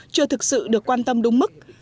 chưa thực sự được quan tâm đúng mức